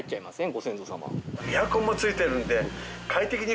ご先祖様。